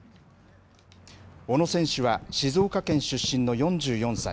小野選手は、静岡県出身の４４歳。